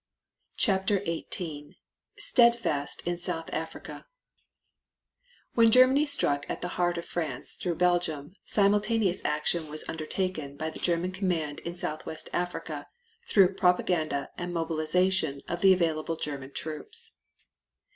CHAPTER XVIII STEADFAST SOUTH AFRICA When Germany struck at the heart of France through Belgium simultaneous action was undertaken by the German Command in Southwest Africa through propaganda and mobilization of the available German troops.